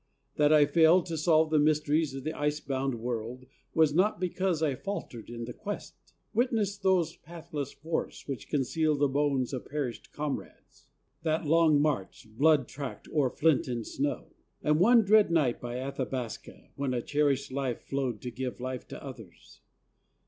That I failed To solve the mysteries of the ice bound world, Was not because I faltered in the quest. Witness those pathless forests which conceal The bones of perished comrades, that long march, Blood tracked o'er flint and snow, and one dread night By Athabasca, when a cherished life Flowed to give life to others.